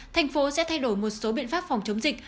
thành phố sẽ thay đổi một số biện pháp phòng chống dịch